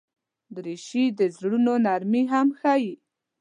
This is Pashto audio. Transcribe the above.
دریشي د زړونو نرمي هم ښيي.